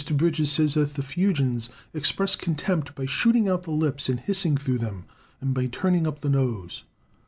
Bridges says that the Fuegians "express contempt by shooting out the lips and hissing through them, and by turning up the nose."